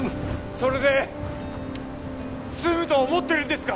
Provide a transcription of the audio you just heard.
それで済むと思ってるんですか？